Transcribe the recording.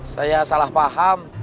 saya salah paham